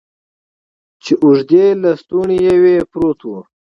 چې اوږدې لستوڼي یې وې، پروت و.